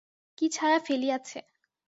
কী ছায়া ফেলিয়াছে!